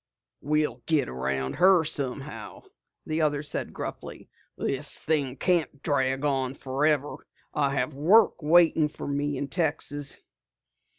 "We'll get around her somehow," the other said gruffly. "This thing can't drag on forever. I have work waiting for me in Texas."